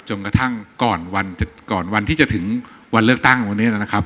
จนกระทั่งก่อนวันก่อนวันที่จะถึงวันเลือกตั้งวันนี้นะครับ